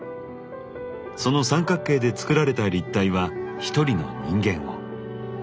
その三角形で作られた立体は一人の人間を。